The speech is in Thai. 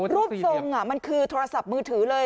รูปทรงมันคือโทรศัพท์มือถือเลย